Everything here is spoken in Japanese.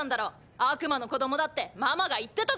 悪魔の子供だってママが言ってたぞ！